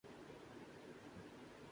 جمہوری قدریں مضبوط ہوں۔